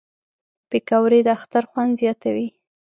پکورې د اختر خوند زیاتوي